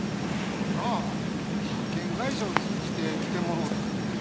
いや派遣会社を通じて来てもろうたんで。